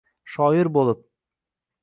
Shoir bo’lib